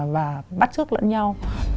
và bắt trước lẫn nhau